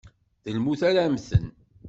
D lmut ara mmten.